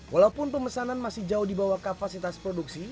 walaupun pemesanan masih jauh di bawah kapasitas produksi